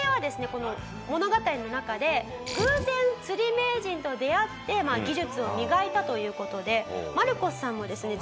この物語の中で偶然釣り名人と出会って技術を磨いたという事でマルコスさんもですね